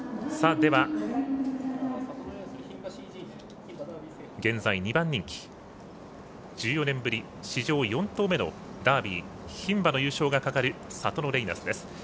では、現在２番人気１４年ぶり、史上４頭目のダービー、牝馬での優勝が懸かるサトノレイナスです。